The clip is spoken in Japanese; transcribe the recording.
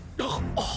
あっ！？